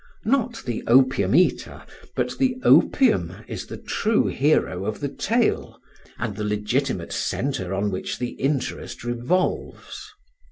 Not the Opium eater, but the opium, is the true hero of the tale, and the legitimate centre on which the interest revolves.